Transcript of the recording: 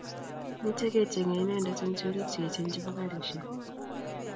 Miten kechenge inendet eng choriik cheechen chebo karishek